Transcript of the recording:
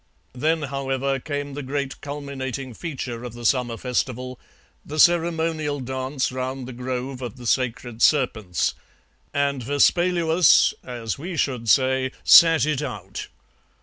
Then, however, came the great culminating feature of the summer festival, the ceremonial dance round the grove of the sacred serpents, and Vespaluus, as we should say, 'sat it out.'